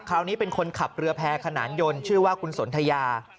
คราวนี้เป็นคนขับเรือแพร่ขนานยนต์ชื่อว่าคุณสนทยา